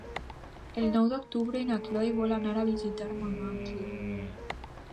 El nou d'octubre na Cloè vol anar a visitar mon oncle.